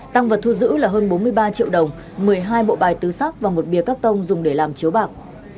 tăng vật thu giữ là hơn bốn mươi ba triệu đồng một mươi hai bộ bài tứ sắc và một bìa cắt tông dùng để làm chiếu bạc